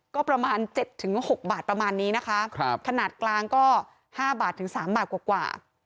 ก็ประมาณเจ็ดถึงหกบาทประมาณนี้นะคะครับขนาดกลางก็ห้าบาทถึงสามบาทกว่า